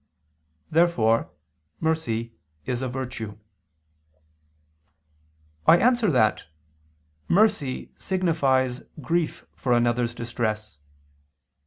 '" Therefore mercy is a virtue. I answer that, Mercy signifies grief for another's distress.